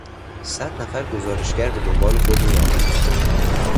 صد نفر گزارشگر به دنبال خود میآورد.